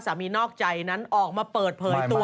นอกใจนั้นออกมาเปิดเผยตัว